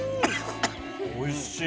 おいしい。